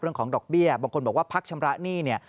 เรื่องของดอกเบี้ยบางคนบอกว่าพัฒน์ชำระนี่